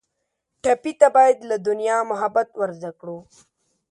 ټپي ته باید له دنیا محبت ور زده کړو.